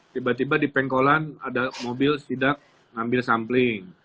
tiba tiba di pengkolan ada mobil sedang mengambil sampling